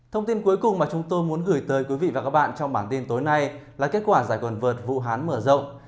thông tin cuối cùng mà chúng tôi muốn gửi tới quý vị và các bạn trong bản tin tối nay là kết quả giải còn vượt vũ hán mở rộng